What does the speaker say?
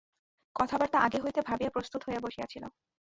কথাবার্তা আগে হইতে ভাবিয়া প্রস্তুত হইয়া বসিয়া ছিল।